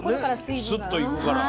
スッといくから。